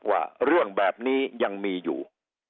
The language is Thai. ว่าเรื่องแบบนี้ยังมีอยู่